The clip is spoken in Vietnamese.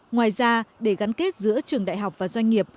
ngoài ra để gắn kết giữa trường đại học và doanh nghiệp